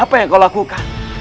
apa yang kau lakukan